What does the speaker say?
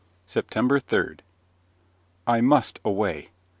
SEPTEMBER 3. I must away.